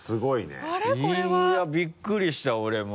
これは。いやびっくりした俺も。